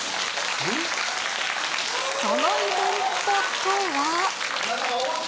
そのイベントとは。